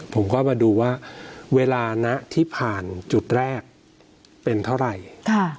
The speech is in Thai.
ผมก็มาดูว่าเวลานะที่ผ่านจุดแรกเป็นเท่าไหร่